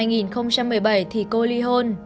năm hai nghìn một mươi bảy thì cô ly hôn